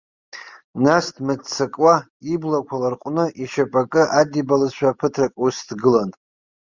Нас дмыццакуа, иблақәа ларҟәны, ишьапы акы адибалазшәа ԥыҭрак ус дгылан.